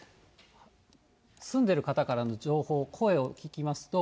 住んでいる方からの情報、声を聞きますと。